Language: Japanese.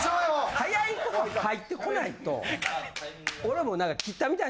早いこと入ってこないと。